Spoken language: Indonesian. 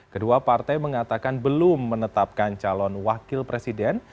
kedua partai mengatakan belum menetapkan calon wakil presiden